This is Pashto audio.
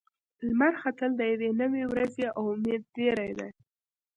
لمر ختل د یوې نوې ورځې او امید زیری دی.